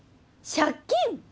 借金？